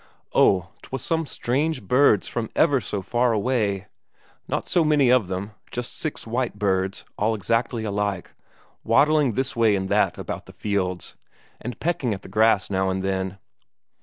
Oh, 'twas some strange birds from ever so far away; not so many of them, just six white birds, all exactly alike, waddling this way and that about the fields, and pecking at the grass now and then.